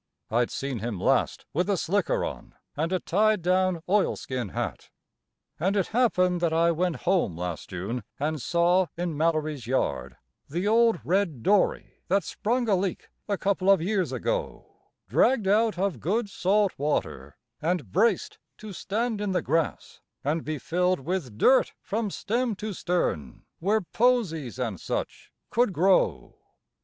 (I'd seen him last with a slicker on and a tied down oilskin hat.) And it happened that I went home last June, and saw in Mallory's yard The old red dory that sprung a leak a couple of years ago, Dragged out of good salt water and braced to stand in the grass And be filled with dirt from stem to stern, where posies and such could grow.